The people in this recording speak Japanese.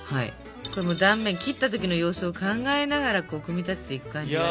これ断面切った時の様子を考えながらこう組み立てていく感じだね。